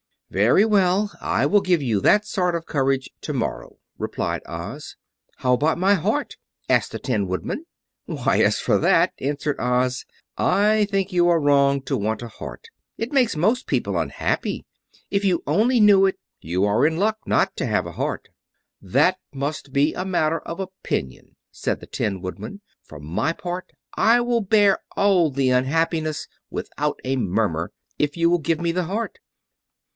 "Very well, I will give you that sort of courage tomorrow," replied Oz. "How about my heart?" asked the Tin Woodman. "Why, as for that," answered Oz, "I think you are wrong to want a heart. It makes most people unhappy. If you only knew it, you are in luck not to have a heart." "That must be a matter of opinion," said the Tin Woodman. "For my part, I will bear all the unhappiness without a murmur, if you will give me the heart."